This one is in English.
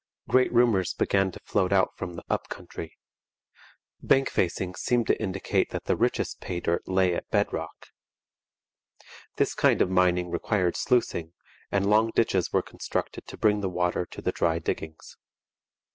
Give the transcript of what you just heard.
Great rumours began to float out from the up country. Bank facings seemed to indicate that the richest pay dirt lay at bed rock. This kind of mining required sluicing, and long ditches were constructed to bring the water to the dry diggings.